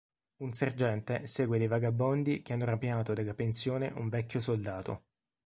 Un sergente segue dei vagabondi che hanno rapinato della pensione un vecchio soldato.